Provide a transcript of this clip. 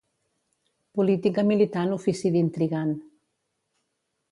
Política militant ofici d'intrigant.